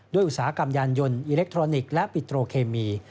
อุตสาหกรรมยานยนต์อิเล็กทรอนิกส์และปิโตรเคมี